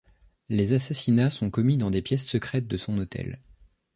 Les assassinats sont commis dans des pièces secrètes de son hôtel.